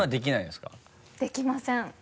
できません。